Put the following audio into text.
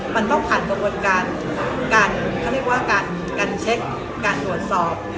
มันต้องผ่านกระบวนการการเขาเรียกว่าการเช็คการตรวจสอบ